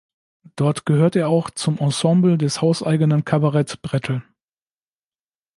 Dort gehört er auch zum Ensemble des hauseigenen Kabarett-Brett’l.